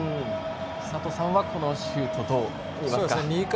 寿人さんはこのシュートどう見ますか。